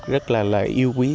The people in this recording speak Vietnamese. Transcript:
rất là yêu quý